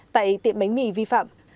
tại tiệm bánh mì vi phạm